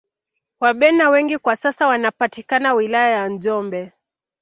Wabena wengi kwa sasa wanapatikana wilaya ya njombe